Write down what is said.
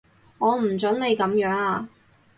我唔準你噉樣啊